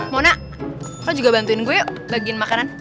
mona aku juga bantuin gue yuk bagiin makanan